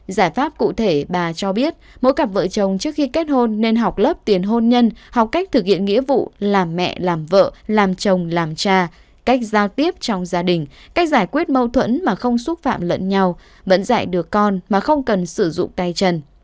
giải pháp cụ thể bà cho biết mỗi cặp vợ chồng trước khi kết hôn nên học lớp tiền hôn nhân học cách thực hiện nghĩa vụ làm mẹ làm vợ làm chồng làm cha cách giao tiếp trong gia đình cách giải quyết mâu thuẫn mà không xúc phạm lẫn nhau vẫn dạy được con mà không cần sử dụng tay trần